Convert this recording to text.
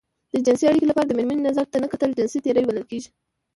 د جنسي اړيکې لپاره د مېرمنې نظر ته نه کتل جنسي تېری بلل کېږي.